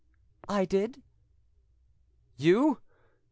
"I did." "You!